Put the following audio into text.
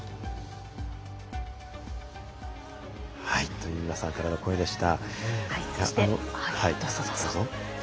という皆さんからの声でした。